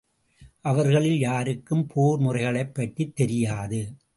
அவர்களில் யாருக்கும் போர்முறைகளைப் பற்றித் தெரியாது.